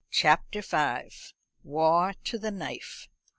CHAPTER V. War to the Knife.